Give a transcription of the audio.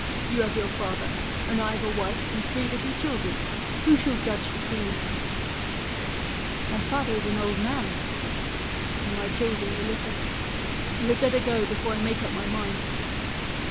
" You have your father, and I have a wife and three little children. Who shall judge between us ?"" My father is an old man." " And my children are little. You had better go before I make up my mind."